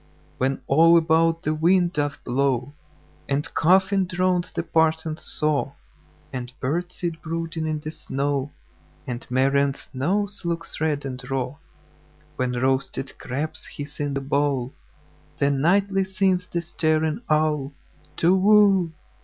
When all about the wind doth blow, And coughing drowns the parson's saw, And birds sit brooding in the snow, And Marian's nose looks red and raw; When roasted crabs hiss in the bowl—Then nightly sings the staring owlTu whoo!